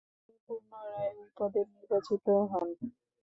তিনি পুনরায় ঐ পদে নির্বাচিত হন।